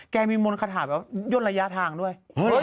มีมนต์คาถาแบบย่นระยะทางด้วย